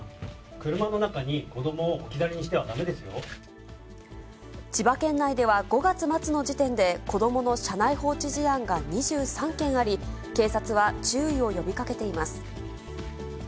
車の中に子どもを置き去りにして千葉県内では５月末の時点で、子どもの車内放置事案が２３件あり、警察は注意を呼びかけています。